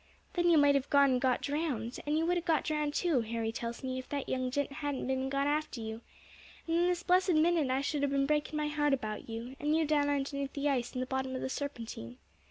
Then you might have gone and got drowned and you would have got drowned too, Harry tells me, if that young gent hadn't been and gone after you; and then this blessed minute I should have been breaking my heart about you, and you down underneath the ice in the bottom of the Serpentine.